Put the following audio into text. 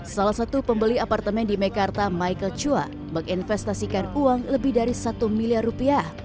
salah satu pembeli apartemen di mekarta michael chua menginvestasikan uang lebih dari satu miliar rupiah